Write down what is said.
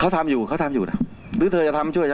เขาทำอยู่เขาทำอยู่นะหรือเธอจะทำช่วยจะ